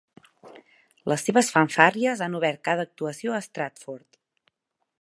Les seves fanfàrries han obert cada actuació a Stratford.